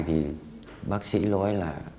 thì bác sĩ nói là